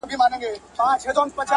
له نن څخه لږ ځان یوازي کړه